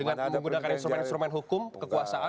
dengan menggunakan instrumen instrumen hukum kekuasaan